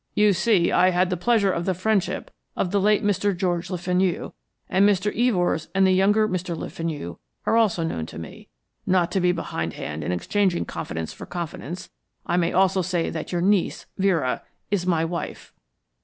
"You see, I had the pleasure of the friendship of the late Mr. George Le Fenu, and Mr. Evors and the younger Mr. Le Fenu are also known to me. Not to be behindhand in exchanging confidence for confidence, I may also say that your niece, Vera, is my wife."